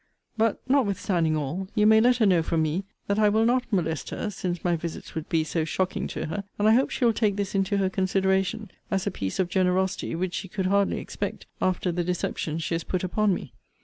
But, notwithstanding all, you may let her know from me that I will not molest her, since my visits would be so shocking to her: and I hope she will take this into her consideration as a piece of generosity which she could hardly expect after the deception she has put upon me.